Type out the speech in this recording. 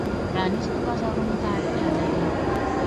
پرانیستو بازارونو ته اړتیا لري.